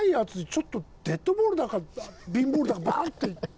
ちょっとデッドボールだかビーンボールだかバン！といって。